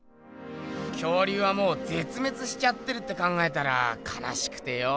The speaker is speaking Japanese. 恐竜はもうぜつめつしちゃってるって考えたらかなしくてよ。